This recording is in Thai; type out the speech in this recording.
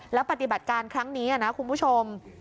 แล้วปฏิบัติการครั้งนี้นะคุณผู้ชม